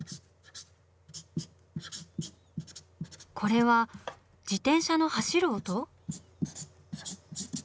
これは自転車の走る音？